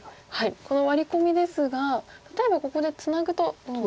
このワリコミですが例えばここでツナぐとどうなるんでしょう？